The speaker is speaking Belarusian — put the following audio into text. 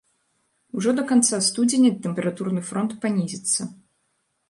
Ужо да канца студзеня тэмпературны фронт панізіцца.